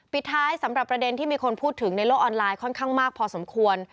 ปิดท้ายสำหรับประเด็นที่มีคนพูดถึงในโลกออนไลน์ค่อนข้างมากพอสมควร